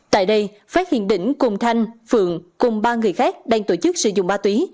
tại đây phát hiện đỉnh cùng thanh phượng cùng ba người khác đang tổ chức sử dụng ma túy